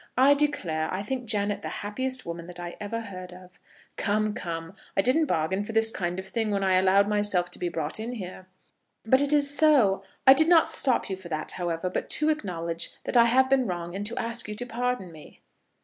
I declare I think Janet the happiest woman that I ever heard of." "Come, come; I didn't bargain for this kind of thing when I allowed myself to be brought in here." "But it is so. I did not stop you for that, however, but to acknowledge that I have been wrong, and to ask you to pardon me."